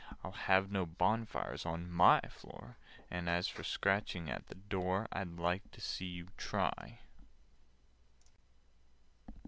I'll have no bonfires on my floor— And, as for scratching at the door, I'd like to see you try!"